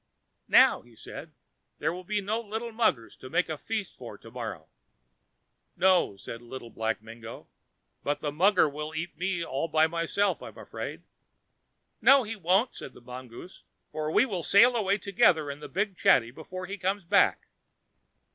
"Now," said he, "there will be no little muggers to make a feast for to morrow." "No," said Little Black Mingo, "but the mugger will eat me all by himself, I am afraid." "No, he won't," said the mongoose, "for we will sail away together in the big chatty before he comes back."